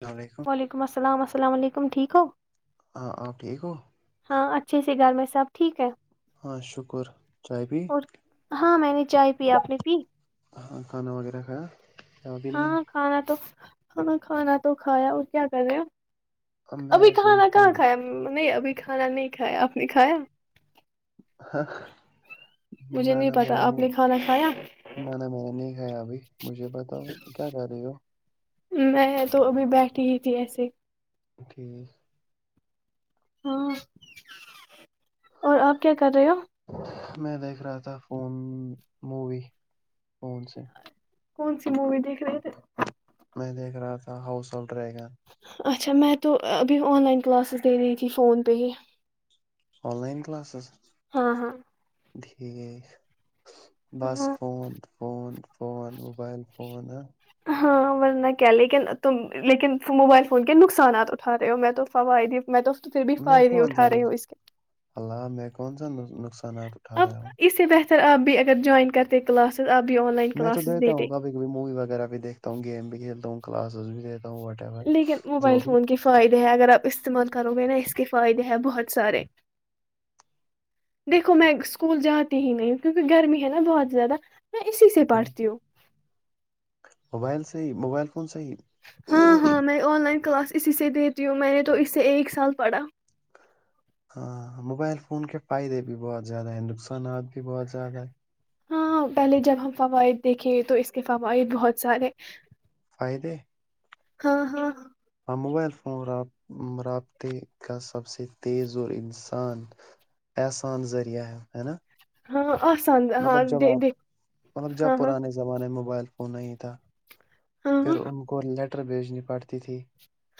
السلام علیکم السلام علیکم ٹھیک ہو ہاں آپ ٹھیک ہو ہاں اچھی سی گھر میں سب ٹھیک ہے ہاں شکر چائے پی اور ہاں میں نے چائے پی آپ نے پی ہاں کھانا وغیرہ کا ہاں کھانا تو ہاں کھانا تو کھایا اور کیا کر رہے اب میں ابھی ایسے ہی کھانا کہاں ہوں کھایا نہیں ابھی کھانا نہیں کھایا آپ نے کھایا ہاں مجھے نہیں پتا آپ نے کھانا کھایا ہے بھی مجھے بتاؤ کیا کر رہے ہو جی ایسے ٹھیک ہاں اور آپ کیا کر رہے ہو ٹھیک میں دیکھ رہا تھا فون مووی فون سے کون سی مووی دیکھ رہے تھے میں دیکھ رہا تھا ہاؤس آ رہے گا اچھا میں تو ابھی آن لائن کلاسز دے رہی تھی فون پہ ہی آن لائن کلاسز ہاں ہاں دھییک بس ہاں phone phone phone mobile phone ہاں ورنہ کیا لیکن تم لیکن موبائل فون کے نقصانات اٹھا رہے ہو میں تو فوائ دی میں تو تو پھر بھی میں فائدے اٹھا رہے ہو اس کے پان نقصان کا نپ اٹھا رہا ہوں سر آپ بھی اگر جوائن کرتے ہیں کلاسز آپ بھی آن لائن میں تو کلاسز دیتا دیتے ہوں کبھی کب موی وغیرہ بھی دیکھتا ہوں گیم بھی کھیلتا ہوں کللاسز بری لیکن موبائل فون کے فائدے ہیں اگر آپ استعمال کرو گے نا اس کے فائدے ہیں بہت سارے دیکھو میں اسکول جاتے ہی نہیں ہ کیونکہ گرمی ہے نا بہت زیادہ میں اسی سے پٹتی ہوں موبائل سے ہی موبائل کون ساہ ہاں ہاں میں آن لائن کلاس اسی سے دتی ہوں میں نے تو اس سے ایک سال پڑھا ہاں موبائل فون کے فائدے بھی بہت زیادہ ہیں نقصانات بھی بہت زیادہ ہے ہاں پہلے جب ہم فوائد دیکھے تو اس کے فوائد بہت سارے فائدے ہاں ہاں ہاں ہاں موبائل فون رابطے کا سب سے تیز اور انسان احسان ذریعہ ہے ہے نا ہاں آسان ہاں مطلب جب دے- آپ دیکھ مطلب جب ہاں ہاں پرانے زمانے میں موبائل وہ نہیں ہی تھا پھر ہاں ان کو لیٹ بھیجنی پڑتی تھی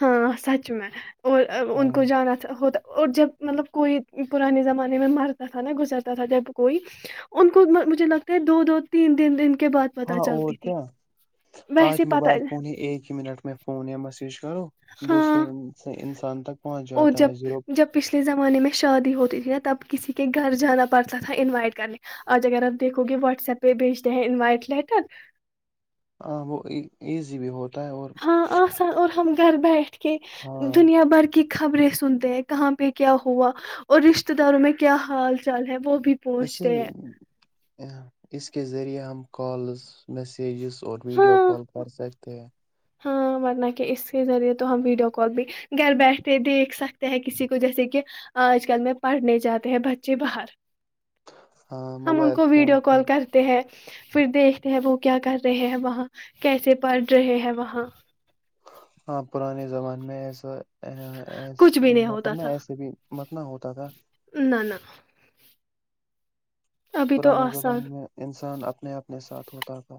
ہاں سچ میں اور ان ہاں کو جانا ہوتا اور جب مطلب کوئی پرانے زمانے میں مرتا تھا نا گزرتا تھا جب کوئی ان کو مجھے لگتا ہے دو دو تین دن کے بعد پتہ ہاں اور چلتی تھی کیا آج ویسے پتہ موبائل فون ہی ایک ہی منٹ میں فون یا میسیج کرو دوسرے ہاں انس- انسان تک پہنچ اور جاتا ہے جب زیرو جب پچھلے زمانے میں شادی ہوتی تھی ن تب کسی کے گھر جانا پڑتا تھا انوائٹ کرنے آج اگر آپ دیکھو گے واٹس ایپ پہ بھیجتے ہیں انوائٹ لیٹر ہاں وہ ایزی بھی ہوت ہاں آسان اور ہم گھر بیٹھ کہ ہاں دنیا بھر کی خبریں سنتے ہیں کہاں پہ کیا ہوا اور رشتے داروں میں کیا حال چال ہے وہ بھی اس پہنچتے ہیں اس کے ذریعہ ہم کالز میسی میجز اور ویڈیو ہاں کال کر سکتے ہیں ہاں ورنہ کہ اس کے ذریعے تو ہم ویڈیو کال بھی گھر بیٹھے دیکھ سکتے ہیں کسی کو جیسے کہ آج کل میں پڑھنے جاتے ہیں بچے باہر ہاں ہم ان موبائل کو فون ویڈیو کی کال کرتے ہیں پھر دیکھتے ہیں وہ کیا کر رہے ہیں وہاں کیسے پڑ رہے ہیں وہاں ہاں پرانے زمانے میں ایسا کچھ ا بھی نہیں مطلب ہوتا نا تھا ایسے بھی مت نہ ہوتا تھا نہ نہ ابھی تو پرانے آسان زمانے میں انسان اپنے اپنے ساتھ ہوتا تھا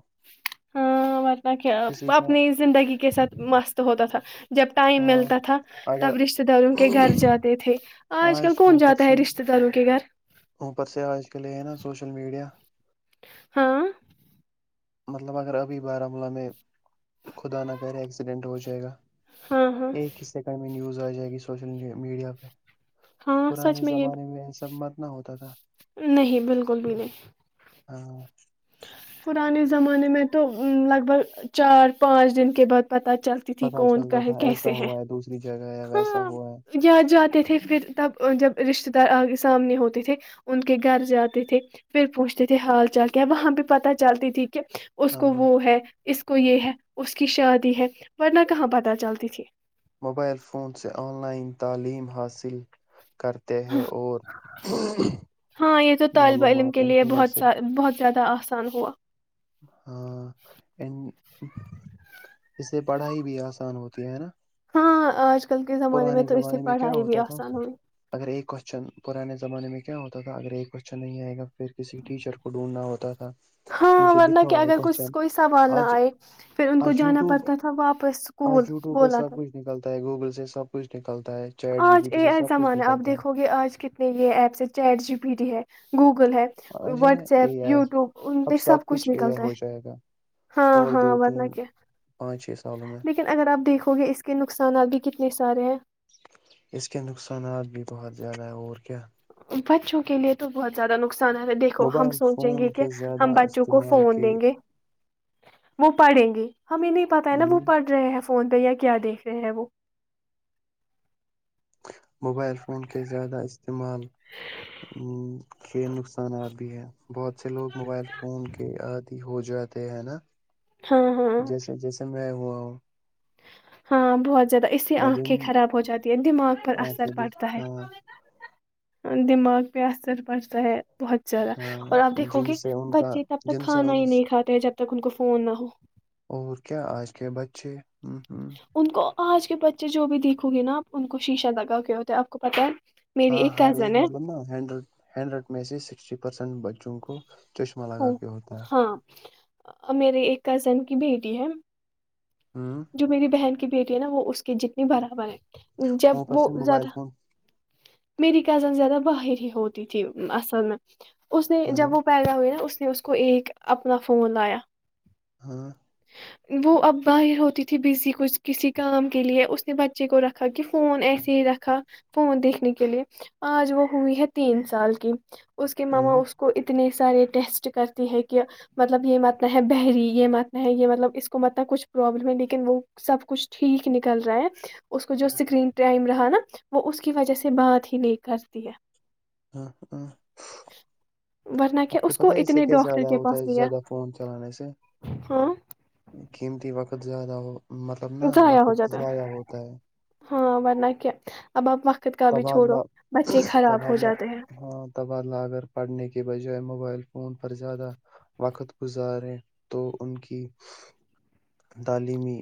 ہاں نہ کیا کسی کا اپنی زندگی کے ساتھ مست ہوتا تھا جب ٹائم ہاں ملتا تھا اگر تب رشتے داروں کے گھر جاتے تھے آج کل کون اوپر جاتا سے ہے رشتے داروں کے گھر اوپر سے آج کےلے سوشل میڈیا ہاں مطلب اگر ابھی بارملہ میں خدا نہ پہ رہے ایکسیڈنٹ ہو جائے گا ہاں ہاں ایک حصے کا میں نیوز جائے گی سوشل میڈیا پہ ہاں سچ پرانے میں یہ زمانے ایسا مت نہ ہوتا تھا نہیں بالکل بھی نہیں ہاں پرانے زمانے میں تو لگ بھگ چار پانچ دن کے بعد پت چلتی تھی پتہ کون چلتا تھا ایسا کیسے ہیں ہوا ہے دوسری جگہ ہے ویسا ہاں ہوا ہے اں جاتے تھے پھر تب جب رشتے دار آگے سامنے ہوتے تھے ان کے گھر جاتے تھے پھر پہنچتے تھے ہال چال کیا وہاں بھیہ پتہ چلتی تھی کہ اس کو ہاں وہ ہے اس کو یہ ہے اس کی شادی ہے ورنہ کہاں پتہ چلتی تھی موبائل فون سے آن لائن تعلیم حاصل کرتے ہیں اور ہاں یہ تو طالبہ علم معلومات کے لیے انٹرنیٹ بہت سے سا بہت زیادہ آسان ہو ہاں ان اس سے پڑھائی بھی آسان ہوتی ہے نا اں آج کل کے میں پرانے تو اس سے زمانے میں کیا پڑھائی بھی ہوتا تھا آسان ہوئی اگر ایک کوشچن پرانے زمانے میں کیا ہوتا تھا اگر یہ کویشچن نہیں آئے گا پھر کسی ٹیچر کو ڈھونڈنا ہوتا تھا ہاں مجھے ورنہ دکھا کہ ہوا ہے اگر کوئی کوشن کوئی سوال نہ آج آئے پھر ان کو آج جانا وٹیوب پڑتا تھا واپس اسکول آج یوٹیوب ہے بولا تھا سب کچھ نکلتا ہے گوگل سے سب کچھ نکلتا ہے چیٹ جی آج پی ٹی سے ا سب کچھ زمانہ آپ نکلتا دیکھو گے آج کتنے یہ ایپس ہے چیٹ جی پی ڈی ہے گوگ گ ہے آج ہے نا واٹس اے ایپ آئی یوٹیوب ان اب پہ سب کچھ اے آئی نکلتا ہے ہو جائے گا ہاں اور دو ہاں تہ تین کیا پانچ چھ سالوں میں لیکن اگر آپ دیکھو ہو گیا اس کےے نقصانات بھی کتنے سارے ہیں اس کے نقصانات بھی بہت زیادہ ہیں اور کیا بچوں کےے تو بہت زیادہ نقصان دیکھو ہم موبائل سوچیں فون گے کہ کے زیادہ ہم بچوں کو استعمال فون کے دیں گے وہ پڑھیں گے ہمیں نہیں پتاہ ہے نا وہ ہوں پڑھ رہے ہیں فون پہ یا کیا دیکھ رہے ہیں وہ موبائل فون کے زیادہ استعمال کے نقصانات بھی ہیں بہت سے لوگ موبائل فون کے آادی ہو جاتے ہیں نا ہاں ہاں جیسے جیسے میں ہوا ہوں ہاں بہت زیادہ اسی میں آنکھیں دن خراب ہو جاتی ہیں دماغ پر آنکھیں اثر بھی پڑتا ہے ہاں دماغ پ اثر پڑے سح بہت زیادہ ہاں اور آپ دیکھو جن گے سے ان کا بچے تب تک جن سے کھانا ان ہی نہیں کھاتے جب تک ان کو فون نہ ہو اچھ ان کو آج کے بچے جو بھی دیکھو گے نا آپ انن کو شیشہ لگا کے ہوتے ہے آپ کو پتہ میری ہاں ہر ایک کزن ہے مطلب نا ہینڈ ہینڈریڈ میں سے سکسٹی پرسینٹ ب ہاں میرے ایک کزن کی بھیٹی ہے ہ جو میری بہن کی بیٹی ہے نا وہ اس کی جتنی بھرا ب جب اوپر وہ سے موبائل زیادہ فون میری کزن زیادہ باہر ہی ہوتی تھی اصل میں اس نے ہاں جب وہ پیدا ہوئے نا اس پھر اس کو ایک اپنا فون لایا ہاں وہ اب باہر ہوتا ت بزی کچھ کسی کام کے لیے اس نے بچے کو رکھا کہ فون ایسے ہی رکھا فون دیکھنے کے لیے آج وہ ہوئی ہے تین سال کی اس کے ماما ہ اس کو اتنے سارے ٹیسٹ کرتی ہے کہ مطلب یہ متنا ہے بحری یہ متنا ہے یہ مطلب اس کو متنا کچھ پروابلم ہے لیکن وہ سب کچھ ٹھیک نکل رہا ہے اس کو جو اسکرین ٹائم رہا نا وہ اس کی وجہ سے بات ہی نہیں کرتی ہے ہ ہ ہ ورنہ کیا آپ کو پت ہے اس سے اتنے کیا ڈاکٹر زیادہ کے ہوتا پاس ہے لیا زیادہ فون چلانے سے ہاں قیمتی وقت بت زیادہ وہ ضائع ہو جاتا ہے ہاں ورنہ کیا اب آپ وقت کا بھی چھوڑو تبادلہ بچے خراب ہو تبادلہ جاتے ہیں ہاں تبادلہ اگر پڑھنے کے بجائے موبائل فون پر زیادہ وقت گزاریں تو ان کی تعلیمی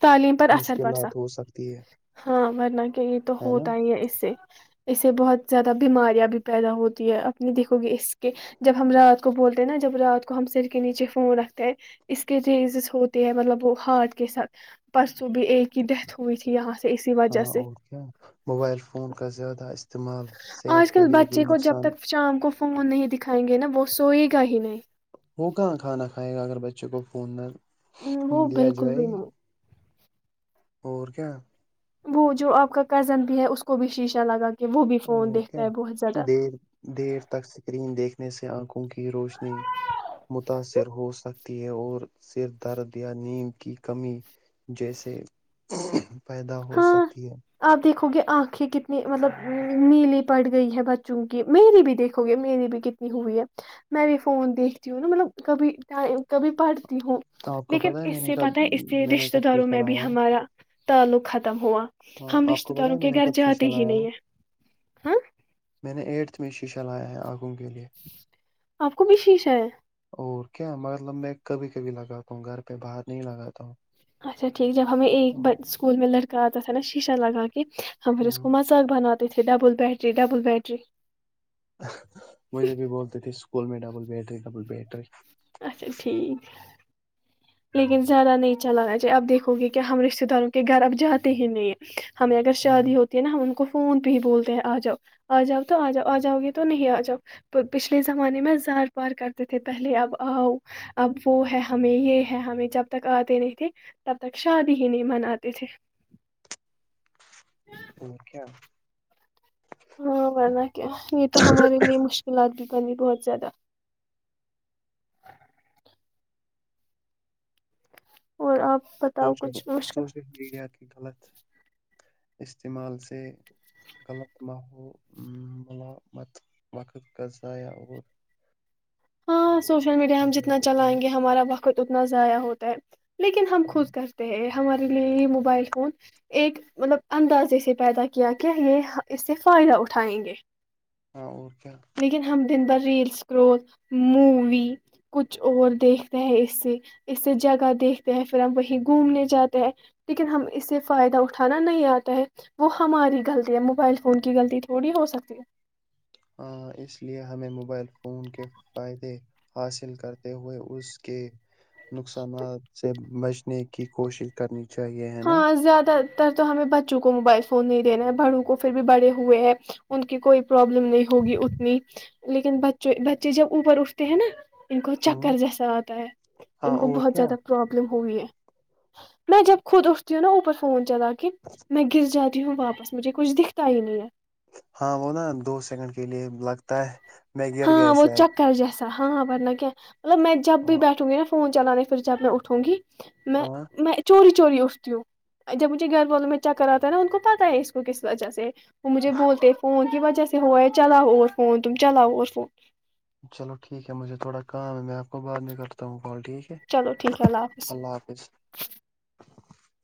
تعلیم پر اثر پڑ سک مشکلات ہو سکتی ہے ہاں ورنہ کہ یہ تو ہوتا ہی ہے اس سے اس سے بہت زیادہ بیماریاں بھی پیدا ہوتی ہے اپنی دیکھو گے اس کے جب ہم رات کو بولتے ہیں نا جب رات کو ہم سر کے نیچے فون رکھتے ہیں اس کے ریزز ہوتے ہیں مطلب وہ ہاتٹ کے ساتھ پرسوں بھی ایکے کی ڈیتھ ہوئی تھی یہاں سے اسی وجہ ہاں سے اور کیا موبائل فون کا زیادہ اس آج کل بچے کو جب تک شام کو فون نہیں دکھائیں گے نا وہ سوئے گ کا ہی نہیں وہ کہاں کھانا کھائے گا اگر بچے کو فون ہ وہ دیا بالکل جائے بھی نہیں اور کیا وہ جو آپ کا کزن بھی ہے اس کو بھی شیشہ لگا کے وہ بھی فون اور کیا دیکھتا ہے بہت زیادہ دیر دیر تک سکرین دیکھ سے آنکھوں کی روشنی متاثر ہو سکتی ہے اور سر درد یا نیم کی کمی جیسے پیدا ہو ہاں سکتی ہے آپ دیکھو گے آنکھیں کتنی مطلب نیلی پڑ گئی ہیں بچوں کی میری بھی دیکھو گے میری بھی کتنی ہوئی ہے میں بھی فون دیکھتی ہوں نا مطلب کبھی ٹائم کبھی پڑھ ہوں آپ کو لیکن پت ہے میں اس نے سے کب پت ہے اس سے میں نے رشتے کب داروں شیشہ میں بھی لایا ہے ہمارا تعلق ختم ہوا ہاں ہم آپ رشتہ کو پتا داروں ہے میں کے نے گھر کب شیشہ جاتے ہی لیا نہیں ہے ہیں ہاں میں نے ایٹھ میں چلایا ہے آنکھوں کے لیے آپ کو بھی شیش ہے اور کیا مطلب میں کبھی کبھی لگاتا ہوں گھر پہ باہر نہیں لگاتا ہوں اچاٹھ جب ہمیں ایک اسکول میں لڑکی ت نا شیشہ لگا کے ہم پھر اس ہ کو مذا بناتے تو ت ڈبل بیٹری ڈبل بیٹری مجھےب بھی بولتی تھی اس اسکول میں ڈبل بیٹری ڈبل بیٹری اچھا ٹھیک لیکن زیادہ نہیں چلاھے اب دیکھو گے کہ ہم رشتتے داروں کے گھر اب جاتے ہی نہیں ہمیں اگر شادی ہوتی ہے نا ہم ان کو فون پہ ہی بولتے ہیں آ جاؤ آ جاؤ تو آ جاؤ آ جاؤ گے تو نہیں آ جاؤ پچھلے زمانے میں زار پار کرتے تھے پہلے اب آؤ اب وہ ہے ہمیں یہ ہے ہمیں جب تک آتے نہیں تھے تب تک شادی ہی نہیں مناتے تھے تو کیا ہاں ورنہ کیا یہ تو ہمارے لیے مشکلات بھی انی بہت زیادہ اور آپ بتاؤ سوشل کچھ مشکل سوشل میڈیا کی غلط استعمال سے غلط ما ملامت وقت کا ضائع اور ہاں سوشل میڈیا ہم جتنا چلائیں گے ہمارا بقت قت اتنا ضائع ہوتا ہے لیکن ہم خود کرتے ہیں ہمارے لیے یہ موبائل فون ایک مطلب اندازے سے پیدا کیا کہ یہ اس سے فائدہ اٹھائیں گے ہاں اور کیا د ان پر ریلس گروتھ مووی کچھ اور دیکھتے ہیں اس سے اس سے جگہ دیکھتے ہیں پھر ہم وہیں گھومنے جاتے ہیں لیکن ہم اس سے فائدہ اٹھانا نہیں آتا ہے وہ ہماری غلطی ہے موبائل فون کی غلطی تھوڑی ہو سکتی ہے ہاں اس لیئے ہمیں موبائل فون فون کے فائد حاصل کرتے ہوئے اس کے نقصانات سے بچ کی کوشش کرنی چاہیے ہے نا ہاں زیادہ تر تو ہمیں بچوں کو موبائل فون نہیں دینا ہے بڑوں کو پھر بھی بڑے ہوئے ہیں ان کی کوئی پرابلم نہیں ہوگی اتنی لیکن بچ بچے جب اوپر اٹھتے ہیں نا انن کوو ہوں چکر جیسا آتا ہے ہاں ان کو اور بہت کیا زیادہ پرابلم ہوئی ہے میں جب خود استی نا اوپس فون جا کہ میں گر جاتی ہوں واپس مجھے کچھ دکھتا ہی نہیں ہے ہاں وہ نا دو سیکنڈ کے لیے لگتا ہے میں گر گیا ہاں وہ شاید چکر جیسے ہاں ہاں ب ل کیا مطلب میں جب بھی ہاں بیٹھوں گی نا فون چلانے پھر جب میں اٹھوں گی میں ہاں، میں چور چوری اٹھتی ہوں جب مجھے گھر والوں میں چکر آتا ہے نا ان کو پتا ہے اس کو کس وجہ سے وہ مجھے بولتے فون کہ ب فون کی وجہ سے ہوا ہے تم چلو اور فون اچ [unintelligible] چلو ٹھیک ہے مجھے تھوڑا کام ہے میں آپ کو بعد میں کرتا ہوں بول ٹھیک ہے چلو ٹھیک ہے اللہ حافظ